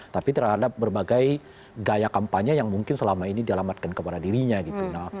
tapi terhadap berbagai gaya kampanye yang mungkin selama ini dialamatkan kepada dirinya gitu